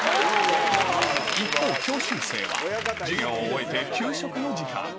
一方、教習生は、授業を終えて給食の時間。